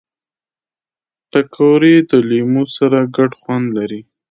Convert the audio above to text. پکورې د لمبو سره ګډ خوند لري